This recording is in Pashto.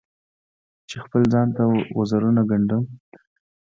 چې خپل ځان ته وزرونه ګنډم